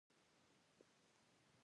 احمد پر علي سر وګرځاوو.